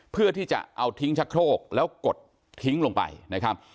เพื่อที่จะเอาทิ้งชะโครกแล้วกดทิ้งลงไปนะครับ